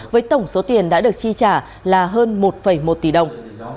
với tổng số tiền đã được chi trả là hơn một một tỷ đồng